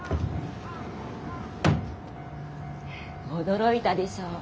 驚いたでしょ。